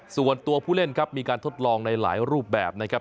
ส่วนตัวผู้เล่นครับมีการทดลองในหลายรูปแบบนะครับ